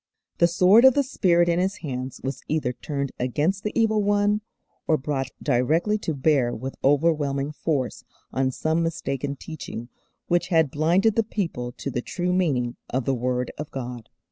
The Sword of the Spirit in His hands was either turned against the Evil One, or brought directly to bear with overwhelming force on some mistaken teaching which had blinded the people to the true meaning of the Word of God.